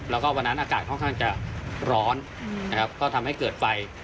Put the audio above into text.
แล้วก็วันนั้นอากาศค่อนข้างจะร้อนนะครับก็ทำให้เกิดไฟ